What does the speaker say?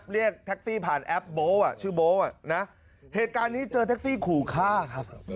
เรียกแท็กซี่ผ่านแอปโบ๊อ่ะชื่อโบ๊อ่ะนะเหตุการณ์นี้เจอแท็กซี่ขู่ฆ่าครับ